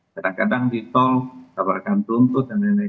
kadang kadang di tol tabarkan tuntut dan lain lain